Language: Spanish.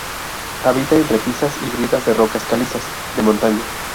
Habita en repisas y grietas de rocas calizas de montaña.